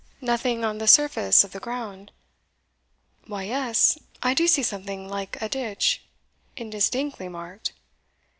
nothing on the surface of the ground?" "Why, yes; I do see something like a ditch, indistinctly marked."